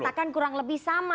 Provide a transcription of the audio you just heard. bahwa hasilnya kurang lebih sama